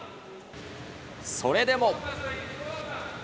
それでも。